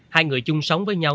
hai người chung sống với nhau